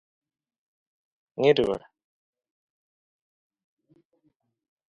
Burt arrives, having engaged the Shriekers and captured a live one.